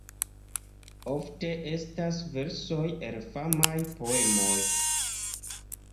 Ofte estas versoj el famaj poemoj.